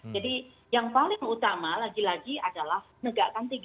jadi yang paling utama lagi lagi adalah menegakkan tiga t